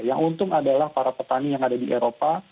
yang untung adalah para petani yang ada di eropa